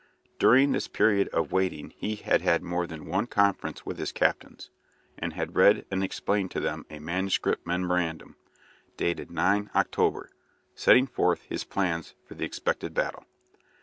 During this period of waiting he had had more than one conference with his captains, and had read and explained to them a manuscript memorandum, dated 9 October, setting forth his plans for the expected battle.